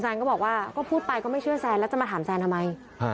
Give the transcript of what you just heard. ก็บอกว่าก็พูดไปก็ไม่เชื่อแซนแล้วจะมาถามแซนทำไม